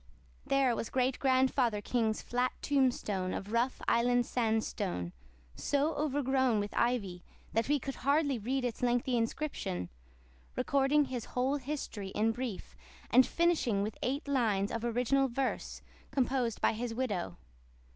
There was Great grandfather King's flat tombstone of rough Island sandstone, so overgrown with ivy that we could hardly read its lengthy inscription, recording his whole history in brief, and finishing with eight lines of original verse composed by his widow.